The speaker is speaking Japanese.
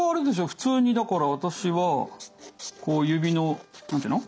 普通にだから私はこう指の何て言うの？